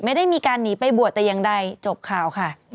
ไม่ได้มีการหนีไปบวชแต่อย่างใดจบข่าวค่ะ